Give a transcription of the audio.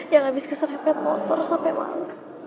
yang abis keserepet motor sampe malam